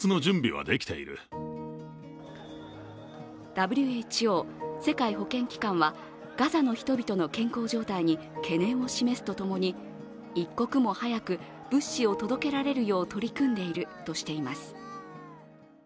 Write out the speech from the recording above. ＷＨＯ＝世界保健機関はガザの人々の健康状態に懸念を示すとともに一刻も早く物資を届けられるよう取り組んでいるとしています。